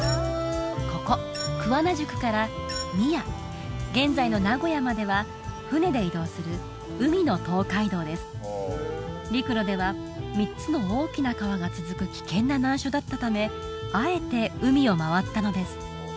ここ桑名宿から宮現在の名古屋までは船で移動する陸路では３つの大きな川が続く危険な難所だったためあえて海を回ったのです